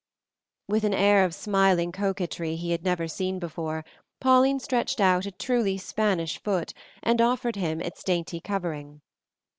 With an air of smiling coquetry he had never seen before, Pauline stretched out a truly Spanish foot and offered him its dainty covering.